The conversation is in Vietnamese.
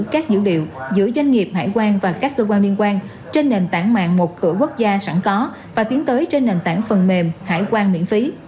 các dữ liệu giữa doanh nghiệp hải quan và các cơ quan liên quan trên nền tảng mạng một cửa quốc gia sẵn có và tiến tới trên nền tảng phần mềm hải quan miễn phí